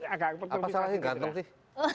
apa salahnya ganteng sih